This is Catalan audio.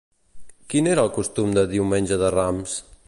Quin era el costum de diumenge de Rams?